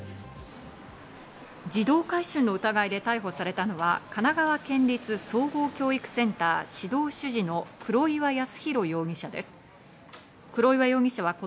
児童買春の疑いで逮捕されたのは、神奈川県立総合教育センター指導主事の黒岩康宏容疑者です。